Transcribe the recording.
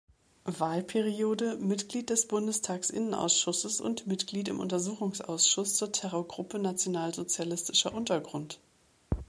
Wahlperiode Mitglied des Bundestags-Innenausschusses und Mitglied im Untersuchungsausschuss zur Terrorgruppe Nationalsozialistischer Untergrund.